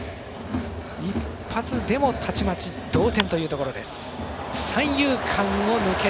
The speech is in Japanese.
一発でも、たちまち同点というところです。